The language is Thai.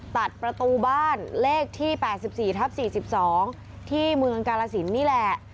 ตัดประตูบ้านเลขที่๘๔ทับ๔๒ที่เมืองกาลสินนี่แหละ